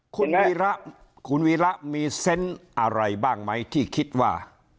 คุณวีระคุณวีระมีเซนต์อะไรบ้างไหมที่คิดว่า